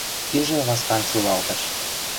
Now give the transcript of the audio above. Иже ласкан шӱлалтыш.